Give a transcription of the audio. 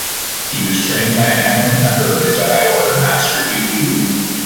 He was trained by an eminent member of the Jedi Order: Master Dooku.